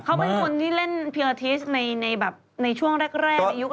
เขาเป็นคนที่เล่นเพียทิสในช่วงแรกในยุค